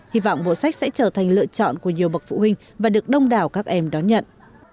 hy vọng bộ sách sẽ trở thành lựa chọn của nhiều bậc phụ huynh và được đông đảo các em đón nhận